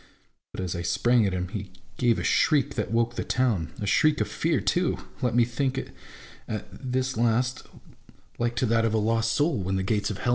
But as I sprang at him, he gave a shriek that woke the town ; a shriek of fear too, let me think it at this last, like to that of a lost MY ENEMY AND MYSELF.